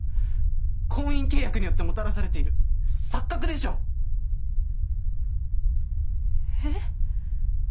婚姻契約によってもたらされている錯覚でしょう？え？